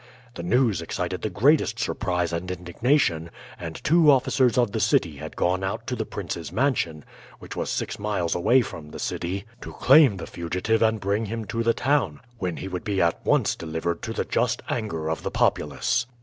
This news excited the greatest surprise and indignation, and two officers of the city had gone out to the prince's mansion, which was six miles away from the city, to claim the fugitive and bring him to the town, when he would be at once delivered to the just anger of the populace.